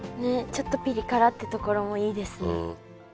ちょっとピリ辛ってところもいいですね。